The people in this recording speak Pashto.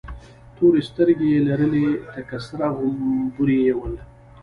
تورې سترگې يې لرلې، تک سره غمبوري یې ول.